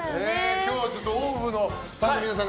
今日はちょっとＯＷＶのファンの皆さんが。